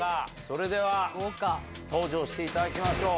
それでは登場していただきましょう。